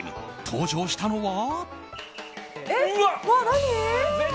登場したのは。